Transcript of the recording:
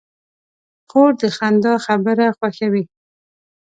خور د خندا خبره خوښوي.